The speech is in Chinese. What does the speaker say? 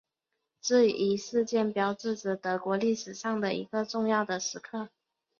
这一事件标志着德国历史上一个重要的时刻。